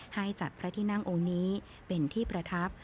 ให้จัดพระที่นั่งองค์นี้เป็นที่ประทับ